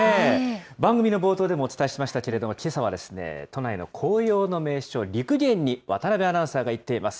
番組の冒頭でもお伝えしましたけれども、けさは都内の紅葉の名所、六義園に渡辺アナウンサーが行っています。